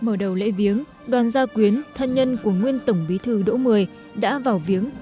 trước mùa đầu lễ viếng đoàn gia quyến thân nhân của nguyên tổng bí thư độ một mươi đã vào viếng